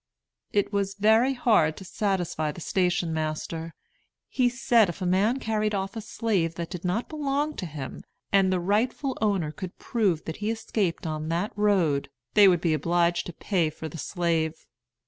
It was very hard to satisfy the station master. He said if a man carried off a slave that did not belong to him, and the rightful owner could prove that he escaped on that road, they would be obliged to pay for the slave.